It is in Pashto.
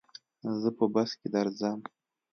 زه په بس کي درځم.